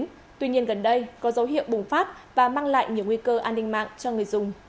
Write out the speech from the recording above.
cơ quan nhà nước gov vn có dấu hiệu bùng phát và mang lại nhiều nguy cơ an ninh mạng cho người dùng